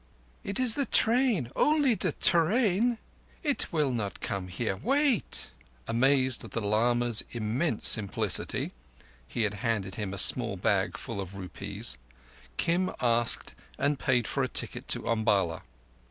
"It is the train—only the te rain. It will not come here. Wait!" Amazed at the lama's immense simplicity (he had handed him a small bag full of rupees), Kim asked and paid for a ticket to Umballa.